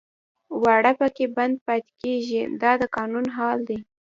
واړه پکې بند پاتې کېږي دا د قانون حال دی.